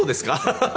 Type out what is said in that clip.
ハハハハ。